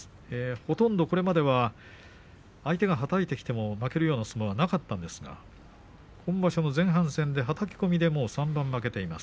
ほとんど、これまでは相手がはたいてきても負けるような相撲はなかったんですが今場所の前半戦で、はたき込みで３番負けています。